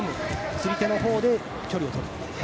釣り手のほうで距離をとる。